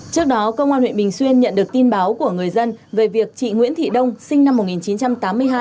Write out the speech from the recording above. trước đó công an huyện bình xuyên nhận được tin báo của người dân về việc chị nguyễn thị đông sinh năm một nghìn chín trăm tám mươi hai